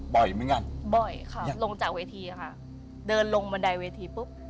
บ่อยเหมือนกันบ่อยค่ะลงจากเวทีค่ะเดินลงบันไดเวทีปุ๊บ